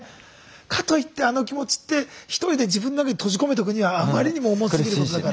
かといってあの気持ちってひとりで自分の中に閉じ込めておくにはあまりにも重すぎることだから。